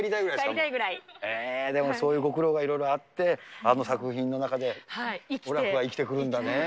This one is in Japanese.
でもそういうご苦労がいろいろあって、あの作品の中でオラフが生きてくるんだね。